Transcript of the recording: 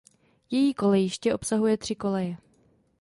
Její kolejiště obsahuje tři koleje.